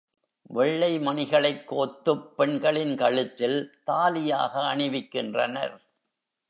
வெள்ளை மணிகளைக் கோத்துப் பெண்ணின் கழுத்தில், தாலியாக அணிவிக்கின்றனர்.